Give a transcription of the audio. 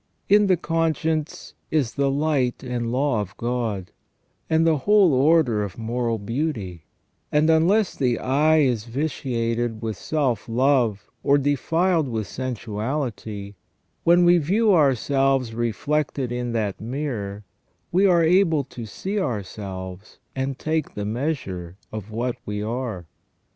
* In the conscience is the light and law of God, and the whole order of moral beauty ; and, unless the eye is vitiated with self love or defiled with sensuality, when we view ourselves reflected in that mirror we are able to see ourselves and take the measure of what we are.